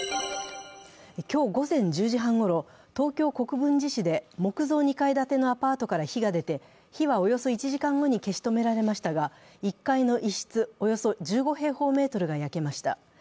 今日午前１０時半ごろ、東京・国分寺市で木造２階建てのアパートから火が出て火はおよそ１時間後に消し止められましたが、１階の一室、およそ１５平方メートルが焼けました。